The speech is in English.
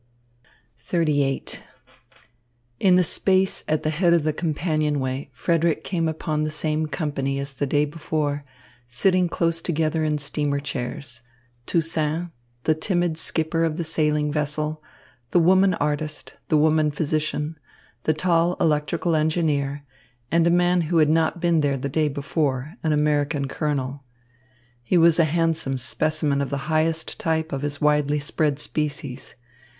XXXVIII In the space at the head of the companionway Frederick came upon the same company as the day before, sitting close together in steamer chairs Toussaint, the timid skipper of the sailing vessel, the woman artist, the woman physician, the tall electrical engineer, and a man who had not been there the day before, an American colonel. He was a handsome specimen of the highest type of his widely spread species.